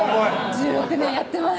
１６年やってます